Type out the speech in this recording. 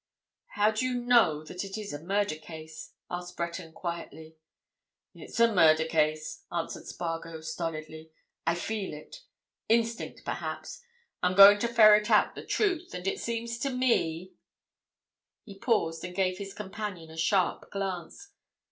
"How do you know that it is a murder case?" asked Breton quietly. "It's a murder case," answered Spargo, stolidly. "I feel it. Instinct, perhaps. I'm going to ferret out the truth. And it seems to me—" He paused and gave his companion a sharp glance.